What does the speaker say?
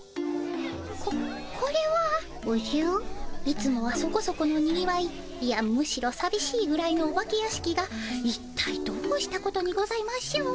いつもはそこそこのにぎわいいやむしろさびしいぐらいのお化け屋敷がいったいどうしたことにございましょう？